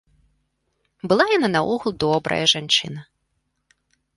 Была яна, наогул, добрая жанчына.